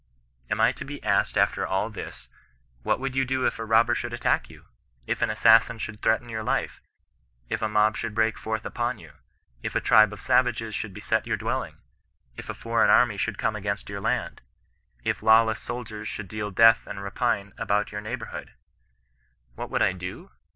Am I to be asked after all tins' —What would you do if a robber should attack you ? Jf an &asa,s8m should threaten your life? If a mob CUEISTIAN NON EESISTANCE. 143 should break forth upon you? If a tribe of savages should beset your dwelling? If a foreign army should come against your land ? If lawless soldiers should deal death and rapine about your neighbourhood?" What would I do?